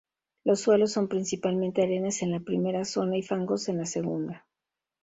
Los suelos son principalmente arenas en la primera zona y fangos en la segunda.